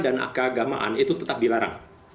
dan keagamaan itu tetap dilarang